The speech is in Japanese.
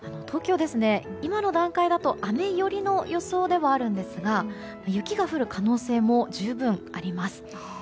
今の段階だと雨よりの予想ではあるんですが雪が降る可能性も十分あります。